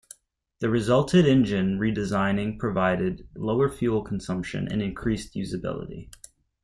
The resulted engine redesigning provided lower fuel consumption and increased usability.